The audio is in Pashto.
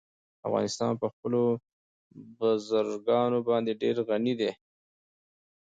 افغانستان په خپلو بزګانو باندې ډېر غني دی.